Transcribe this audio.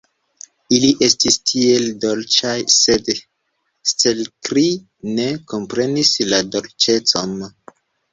Ili estis tiel dolĉaj, sed Stelkri ne komprenis la dolĉecon.